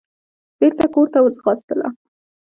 بېرته کورته وځغاستله.